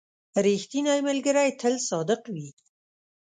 • ریښتینی ملګری تل صادق وي.